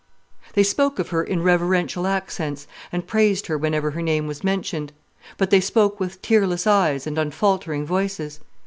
They spoke of her in reverential accents, and praised her whenever her name was mentioned; but they spoke with tearless eyes and unfaltering voices.